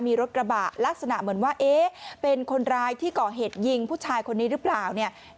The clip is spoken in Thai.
มีรถกระบะลักษณะเหมือนว่าเอ๊ะเป็นคนร้ายที่ก่อเหตุยิงผู้ชายคนนี้หรือเปล่าเนี่ย